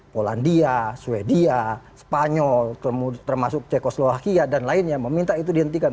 polandia sweden spanyol termasuk ceko slovakia dan lainnya meminta itu dihentikan